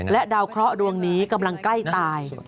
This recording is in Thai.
ดาวเคราะห์ดวงนี้กำลังใกล้ตาย